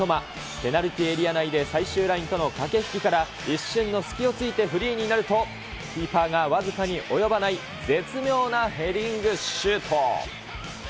ペナルティエリア内で、最終ラインとの駆け引きから、一瞬の隙をついてフリーになると、キーパーが僅かに及ばない絶妙なヘディングシュート。